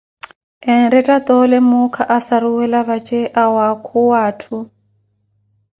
Enretta toole muuka asaruwela vaje, awaakuwa atthu